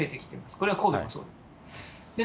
これは神戸もそうです。